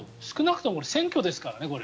少なくとも、選挙ですからね。